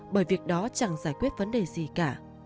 bởi việc đó chẳng giải quyết vấn đề gì cả